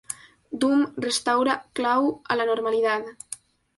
Doom restaura Klaw a la normalidad.